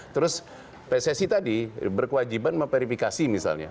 terus pssi tadi berkewajiban memverifikasi misalnya